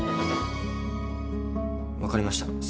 分かりました。